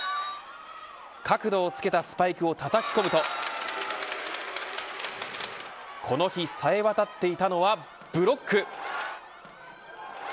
角度をつけたスパイクをたたき込むとこの日冴え渡っていたのはブロック。